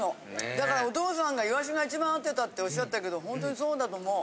だからお父さんがいわしが一番合ってたっておっしゃってたけどほんとにそうだと思う。